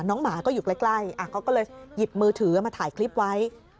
หมาก็อยู่ใกล้เขาก็เลยหยิบมือถือมาถ่ายคลิปไว้